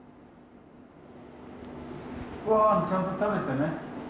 ごはんちゃんと食べてね。